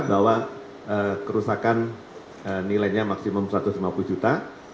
bahwa kerusakan nilainya maksimum satu ratus lima puluh juta